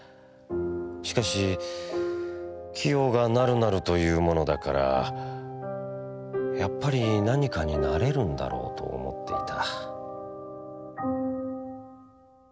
しかし清がなるなると云うものだからやっぱり何かに成れるんだろうと思っていた」。